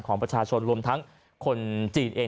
ของประชาชนรวมทั้งคนจีนเอง